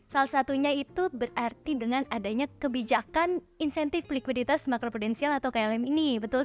salah satunya itu berarti dengan adanya kebijakan insentif likuiditas makanan